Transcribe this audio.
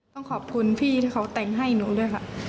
ต้องขอบคุณพี่ที่เขาแต่งให้หนูด้วยค่ะ